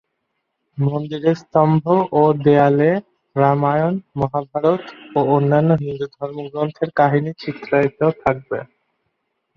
মন্দিরের স্তম্ভ ও দেওয়ালে রামায়ণ, মহাভারত ও অন্যান্য হিন্দু ধর্মগ্রন্থের কাহিনি চিত্রিত থাকবে।